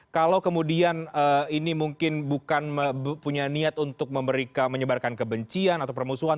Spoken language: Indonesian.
kalau kemudian ini mungkin bukan punya niat untuk memberikan menyebarkan kebencian atau permusuhan